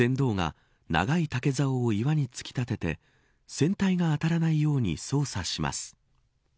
船頭が長い竹ざおを岩に突き立てて船体が当たらないように操作します。